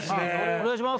お願いします！